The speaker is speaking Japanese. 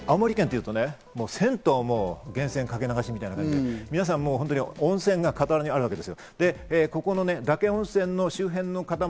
青森県というと、銭湯も源泉かけ流しみたいなものがあって、温泉が皆さん、傍らにあるわけです。